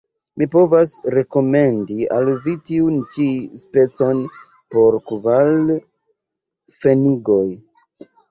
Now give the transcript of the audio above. Mi povas rekomendi al vi tiun ĉi specon por kvar pfenigoj.